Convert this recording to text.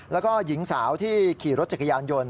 แล้วก็หญิงสาวที่ขี่รถจักรยานยนต์